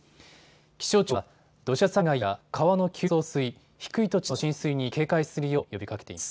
気象庁は土砂災害や川の急な増水、低い土地の浸水に警戒するよう呼びかけています。